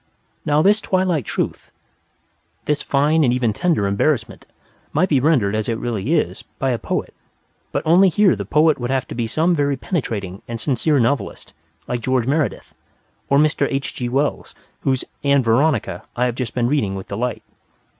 Now, this twilight truth, this fine and even tender embarrassment, might be rendered, as it really is, by a poet, only here the poet would have to be some very penetrating and sincere novelist, like George Meredith, or Mr. H. G. Wells, whose "Ann Veronica" I have just been reading with delight.